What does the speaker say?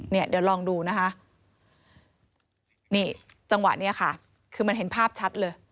เนี่ยเดี๋ยวลองดูนะคะนี่จังหวะเนี้ยค่ะคือมันเห็นภาพชัดเลย